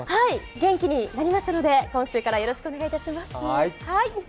元気になりましたので今週からよろしくお願いします。